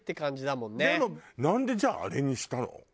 でもなんでじゃああれにしたの？